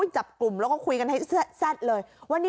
จับกลุ่มแล้วคุยกันให้เส้ดเลย